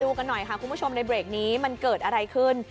กันหน่อยค่ะคุณผู้ชมในเบรกนี้มันเกิดอะไรขึ้น